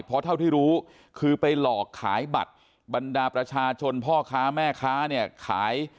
เพราะเท่าที่รู้คือไปหลอกขายบัตรบรรดาประชาชนพ่อค้าแม่ค้าเนี่ยขาย